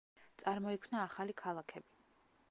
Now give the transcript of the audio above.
წარმოიქმნა ახალი ქალაქები.